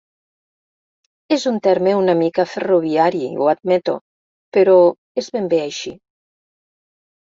És un terme una mica ferroviari, ho admeto, però és ben bé així.